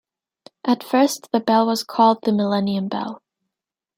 At first the bell was called The Millennium Bell.